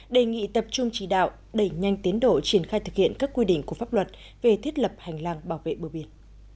đề nghị tập trung chỉ đạo đẩy nhanh tiến độ triển khai thực hiện các quy định của pháp luật về thiết lập hành lang bảo vệ bờ biển